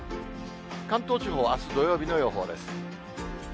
関東地方、あす土曜日の予報です。